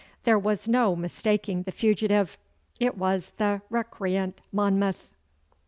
There was no mistaking the fugitive. It was the recreant Monmouth.